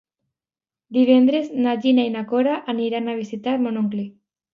Divendres na Gina i na Cora aniran a visitar mon oncle.